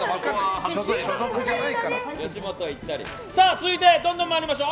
続いて、どんどん参りましょう。